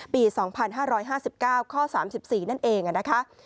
ปี๒๕๕๙ข๓๔